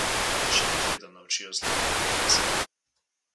Še medveda naučijo z lakoto plesati.